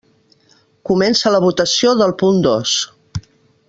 Comença la votació del punt dos.